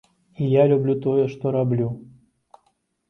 І я люблю тое, што раблю.